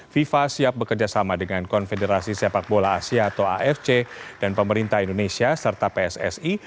fifa siap bekerjasama dengan konfederasi sepak bola asia atau afc dan pemerintah indonesia serta pssi